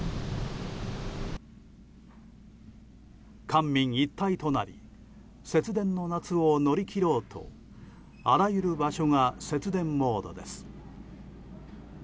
官民一体となり節電の夏を乗り切ろうとあらゆる場所が節電モードです。